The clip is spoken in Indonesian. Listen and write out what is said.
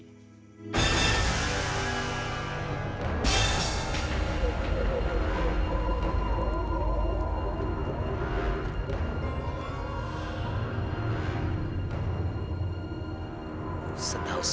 jangan lupa like share dan subscribe